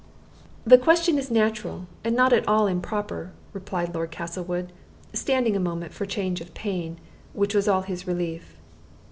"The question is natural, and not at all improper," replied Lord Castlewood, standing a moment for change of pain, which was all his relief.